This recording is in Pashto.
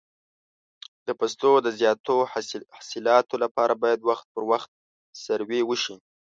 د فصلو د زیاتو حاصلاتو لپاره باید وخت پر وخت سروې وشي.